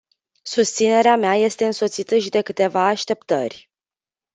Susținerea mea este însoțită și de câteva așteptări.